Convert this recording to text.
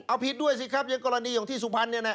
เอาผิดด้วยสิครับอย่างกรณีอย่างที่สุพรรณ